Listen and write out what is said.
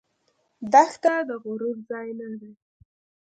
دښته د غرور ځای نه دی.